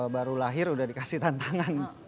baru lahir udah dikasih tantangan